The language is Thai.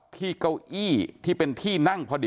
จนกระทั่งหลานชายที่ชื่อสิทธิชัยมั่นคงอายุ๒๙เนี่ยรู้ว่าแม่กลับบ้าน